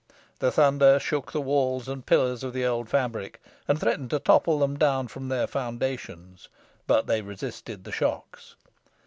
The thunder shook the walls and pillars of the old fabric, and threatened to topple them down from their foundations, but they resisted the shocks.